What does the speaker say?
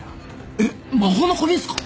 えっ魔法の小瓶っすか！？